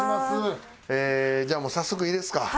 じゃあもう早速いいですか？